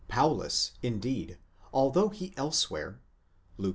Paulus, indeed, although he else where (Luke x.